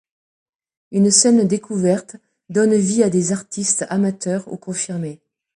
Une scène découverte donne vie à des artistes amateurs ou confirmés.